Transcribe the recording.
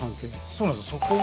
そうなんですよ。